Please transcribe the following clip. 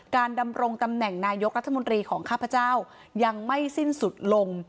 ดำรงตำแหน่งนายกรัฐมนตรีของข้าพเจ้ายังไม่สิ้นสุดลง